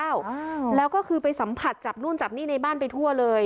อ่าแล้วก็คือไปสัมผัสจับนู่นจับนี่ในบ้านไปทั่วเลย